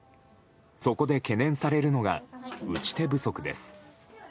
そこで懸念されるのが打ち手不足です。